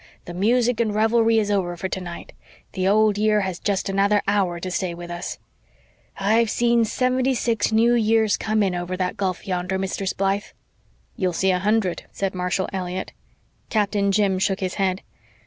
The music and revelry is over for tonight. The old year has just another hour to stay with us. I've seen seventy six New Years come in over that gulf yonder, Mistress Blythe." "You'll see a hundred," said Marshall Elliott. Captain Jim shook his head.